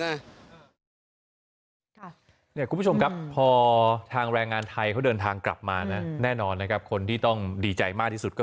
นี่คุณผู้ชมครับลูกชายลูกสาวนะวิ่งเข้าไปสูมก่อนนะคะ